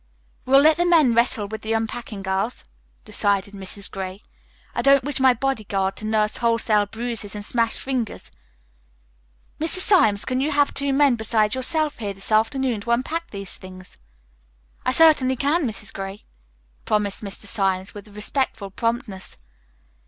"We'll let the men wrestle with the unpacking, girls," decided Mrs. Gray. "I don't wish my body guard to nurse wholesale bruises and smashed fingers. Mr. Symes, can you have two men besides yourself here this afternoon to unpack these things?" "I certainly can, Mrs. Gray," promised Mr. Symes with respectful promptness.